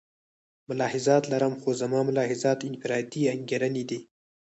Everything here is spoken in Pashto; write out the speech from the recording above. ملاحظات لرم خو زما ملاحظات انفرادي انګېرنې دي.